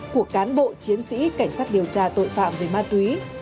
của cán bộ chiến sĩ cảnh sát điều tra tội phạm về ma túy